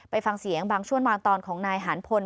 ฟังเสียงบางช่วงบางตอนของนายหานพล